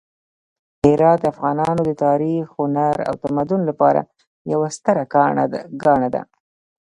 هرات د افغانانو د تاریخ، هنر او تمدن لپاره یوه ستره ګاڼه ده.